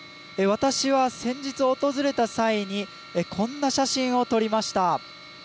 私は、先日訪れた際にこんな写真を撮りました。